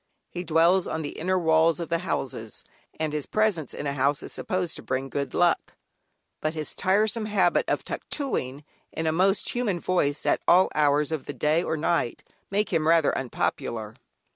He dwells on the inner walls of houses, and his presence in a house is supposed to bring good luck, but his tiresome habit of "tuctooing" in a most human voice at all hours of the day or night make him rather unpopular.